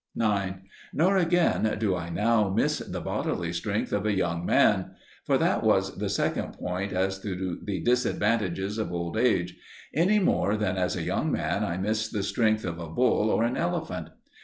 9. Nor, again, do I now MISS THE BODILY STRENGTH OF A YOUNG MAN (for that was the second point as to the disadvantages of old age) any more than as a young man I missed the strength of a bull or an elephant.